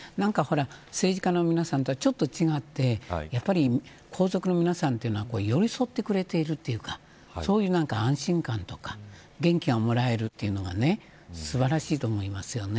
政治家の皆さんとはちょっと違ってやっぱり皇族の皆さんというのは寄り添ってくれているというかそういう安心感とか元気がもらえるというのが素晴らしいと思いますよね。